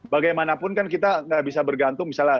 bagaimanapun kan kita nggak bisa bergantung misalnya